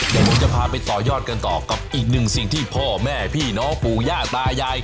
เดี๋ยวผมจะพาไปต่อยอดกันต่อกับอีกหนึ่งสิ่งที่พ่อแม่พี่น้องปู่ย่าตายาย